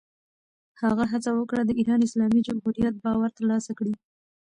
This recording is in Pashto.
هغه هڅه وکړه، د ایران اسلامي جمهوریت باور ترلاسه کړي.